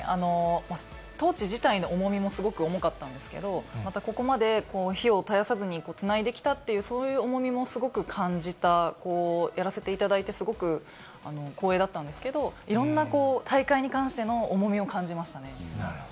トーチ自体の重みもすごく重かったんですけど、またここまで火を絶やさずにつないできたっていう、そういう重みもすごく感じた、やらせていただいて、すごく光栄だったんですけど、いろんな大会に関しての重みを感じましたね。